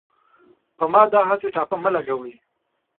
په ما داهسې ټاپه مه لګوۍ